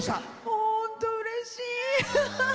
本当うれしい。